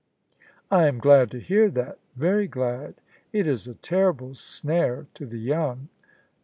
" I am glad to hear that — ^very glad : it is a terrible snare to the young."